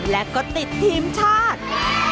และก็ติดทีมชาติ